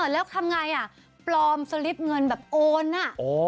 แล้วทำไงอ่ะปลอมสลิปเงินแบบโอนอ่ะ